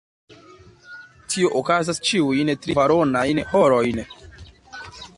Tio okazas ĉiujn tri-kvaronajn horojn.